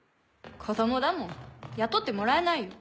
子供だもん雇ってもらえないよ。